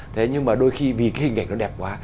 thế nhưng mà đôi khi vì cái hình ảnh nó đẹp quá